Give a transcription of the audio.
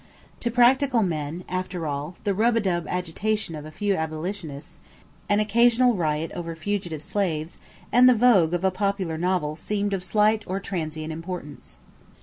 = To practical men, after all, the "rub a dub" agitation of a few abolitionists, an occasional riot over fugitive slaves, and the vogue of a popular novel seemed of slight or transient importance.